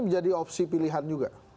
menjadi opsi pilihan juga